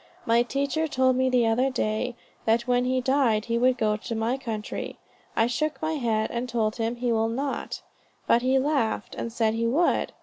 My teacher told me the other day, that when he died he would go to my country; I shook my head, and told him he would not; but he laughed, and said he would.